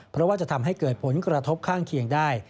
เพราะว่าจะทำให้เกิดผลกระทบข้างเคียงได้